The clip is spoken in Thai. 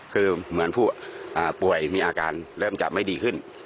คือเหมือนผู้ป่วยมีอาการเริ่มจะไม่ดีขึ้น